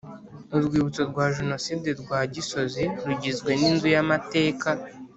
Urwibutso rwa Jenoside rwa Gisozi rugizwe n’inzu y’amateka